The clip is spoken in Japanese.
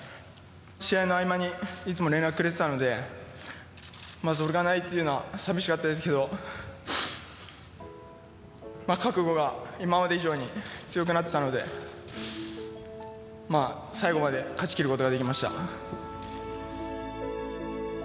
試合の合間にいつも連絡をくれてたので、それがないっていうのは寂しかったですけど、覚悟が今まで以上に強くなってたので、最後まで勝ち切ることができました。